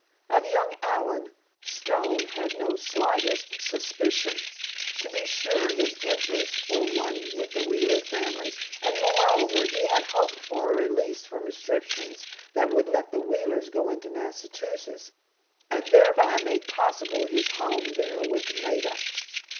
Of young Allen, Stone had no slightest suspicion. To be sure, his interests were one with the Wheeler family, and moreover, he had hoped for a release from restrictions that would let the Wheelers go into Massachusetts and thereby make possible his home there with Maida.